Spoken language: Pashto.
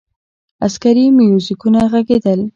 عسکري موزیکونه ږغېدل.